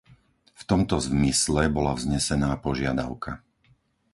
V tomto zmysle bola vznesená požiadavka.